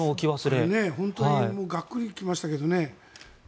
あれ、本当にがっくり来ましたけどね。